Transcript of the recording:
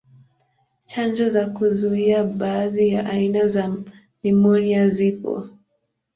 Chanjo za kuzuia baadhi ya aina za nimonia zipo.